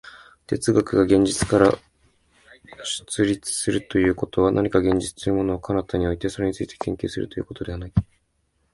哲学が現実から出立するということは、何か現実というものを彼方に置いて、それについて研究するということではない。